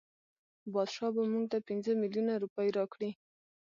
بادشاه به مونږ ته پنځه میلیونه روپۍ راکړي.